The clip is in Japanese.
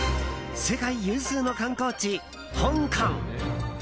世界有数の観光地、香港。